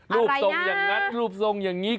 รูปทรงอย่างนั้นรูปทรงอย่างนี้